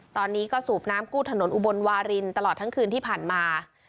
ตอนนี้ก็สูบน้ำกู้ถนนอุบลวารินตลอดทั้งคืนที่ผ่านมา